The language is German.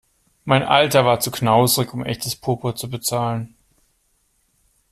Mein Alter war zu knauserig, um echtes Purpur zu bezahlen.